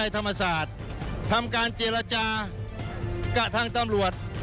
ทำการเจรจากระทั่งตำรวจ